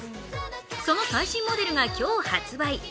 その最新モデルが今日発売。